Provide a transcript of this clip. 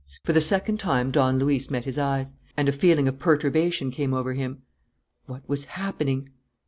For the second time Don Luis met his eyes; and a feeling of perturbation came over him. What was happening?